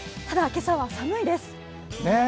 ただ、今朝は寒いです。